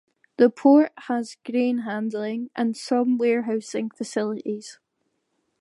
The port has grain-handling and some warehousing facilities.